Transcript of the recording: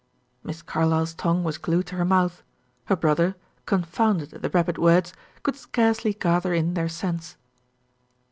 Miss Carlyle's tongue was glued to her mouth. Her brother, confounded at the rapid words, could scarcely gather in their sense.